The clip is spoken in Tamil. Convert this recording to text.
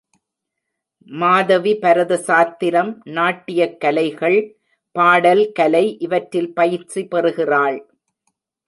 மாதவி பரத சாத்திரம், நாட்டியக் கலைகள், பாடல் கலை இவற்றில் பயிற்சி பெறுகிறாள்.